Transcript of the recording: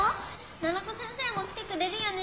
・・奈々子先生も来てくれるよね？